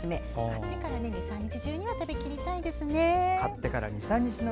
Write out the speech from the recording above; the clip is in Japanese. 買ってから２３日中には食べきりたいですね。